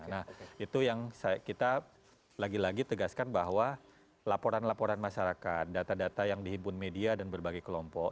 nah itu yang kita lagi lagi tegaskan bahwa laporan laporan masyarakat data data yang dihimpun media dan berbagai kelompok